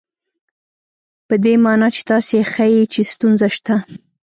په دې مانا چې تاسې ښيئ چې ستونزه شته.